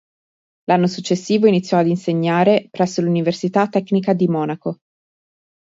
L'anno successivo iniziò ad insegnare presso l'Università tecnica di Monaco.